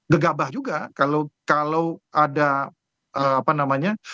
gegabah juga kalau ada apa namanya